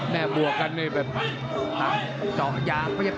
แม่บวกกันเลยแบบ